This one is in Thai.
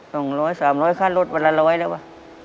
ร้อยสามร้อยค่ารถวันละร้อยแล้วว่ะ